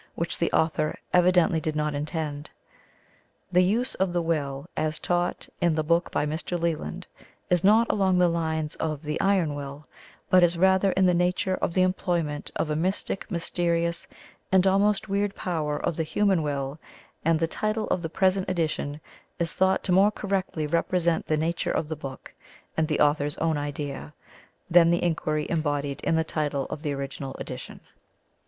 which the author evidently did not intend. The use of the Will, as taught in the book by Mr. Leland, is not along the lines of "the iron will," but is rather in the nature of the employment of a mystic, mysterious, and almost weird power of the Human Will, and the title of the present edition is thought to more correctly represent the nature of the book, and the author's own idea, than the inquiry embodied in the title of the original edition.